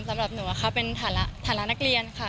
สำหรับหนูเป็นฐานะนักเรียนค่ะ